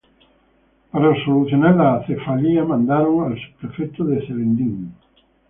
Para solucionar la acefalía mandaron al subprefecto de Celendín.